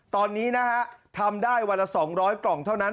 ตอนนี้นะฮะทำได้วันละ๒๐๐กล่องเท่านั้น